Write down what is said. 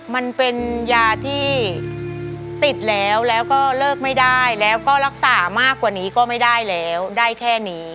มันเป็นยาที่ติดแล้วแล้วก็เลิกไม่ได้แล้วก็รักษามากกว่านี้ก็ไม่ได้แล้วได้แค่นี้